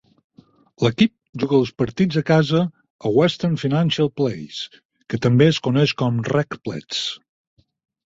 L"equip juga els partits a casa a Western Financial Place, que també es coneix com RecPlex.